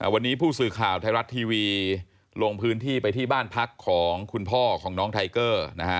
วันนี้ผู้สื่อข่าวไทยรัฐทีวีลงพื้นที่ไปที่บ้านพักของคุณพ่อของน้องไทเกอร์นะฮะ